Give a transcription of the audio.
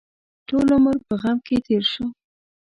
ټول عمر په غم کې تېر شو.